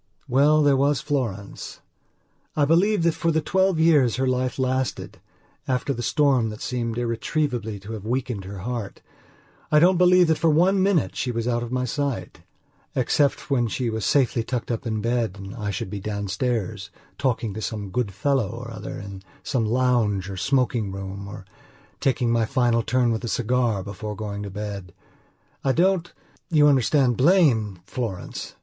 Well, there was Florence: I believe that for the twelve years her life lasted, after the storm that seemed irretrievably to have weakened her heartI don't believe that for one minute she was out of my sight, except when she was safely tucked up in bed and I should be downstairs, talking to some good fellow or other in some lounge or smoking room or taking my final turn with a cigar before going to bed. I don't, you understand, blame Florence.